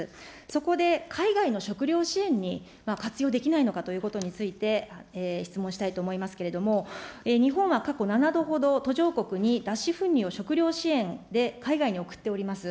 そこで海外の食糧支援に活用できないのかということについて、質問したいと思いますけれども、日本は過去７度ほど、途上国に脱脂粉乳を食糧支援で海外に送っております。